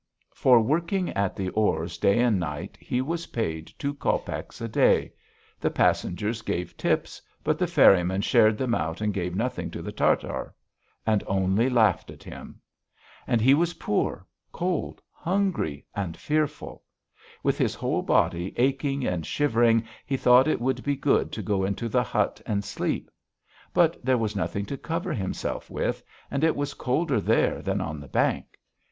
For working at the oars day and night he was paid two copecks a day; the passengers gave tips, but the ferrymen shared them out and gave nothing to the Tartar, and only laughed at him. And he was poor, cold, hungry, and fearful.... With his whole body aching and shivering he thought it would be good to go into the hut and sleep; but there was nothing to cover himself with, and it was colder there than on the bank.